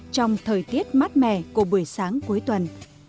trong thời tiết mát mẻ của buổi sáng cuối tuần